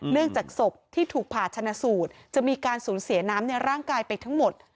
เนื่องจากศพที่ถูกผ่าชนะสูตรจะมีการสูญเสียน้ำในร่างกายไปทั้งหมด